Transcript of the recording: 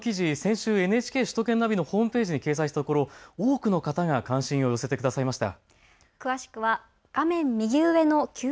この記事、先週ＮＨＫ首都圏ナビのホームページに掲載したところ多くの方が関心を寄せてくださいました。